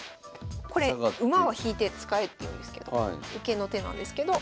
これ馬は引いて使えっていうんですけど受けの手なんですけど。